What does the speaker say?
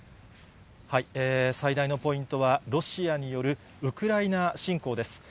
最大のポイントは、ロシアによるウクライナ侵攻です。